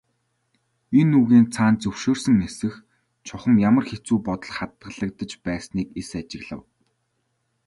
Энэ үгийн цаана зөвшөөрсөн эсэх, чухам ямар шүү бодол хадгалагдаж байсныг эс ажиглав.